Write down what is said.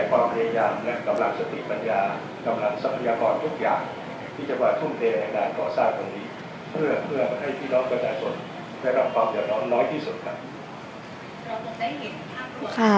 ที่จังหวัดทุ่มเพลงแห่งด้านก่อสร้างตรงนี้เพื่อให้พี่น้องกระจายส่วนให้รับความเหลือน้อยที่สุดครับ